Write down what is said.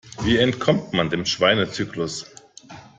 Wie entkommt man dem Schweinezyklus?